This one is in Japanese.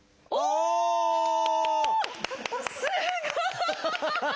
すごい！